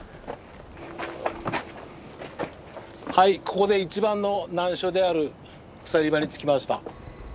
はいここで一番の難所である鎖場に着きました。